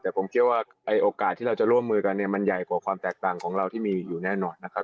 แต่ผมเชื่อว่าไอ้โอกาสที่เราจะร่วมมือกันเนี่ยมันใหญ่กว่าความแตกต่างของเราที่มีอยู่แน่นอนนะครับ